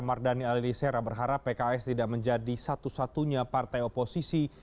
mardani alisera berharap pks tidak menjadi satu satunya partai oposisi